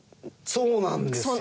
そうなんですよ。